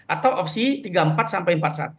atau opsi tiga puluh empat sampai empat puluh satu